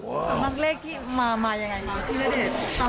แล้วตนาพักเลขี่มามาอย่างไรยังไง